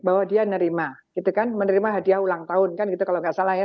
bahwa dia menerima hadiah ulang tahun kalau tidak salah ya